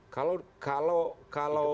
kalau kalau kalau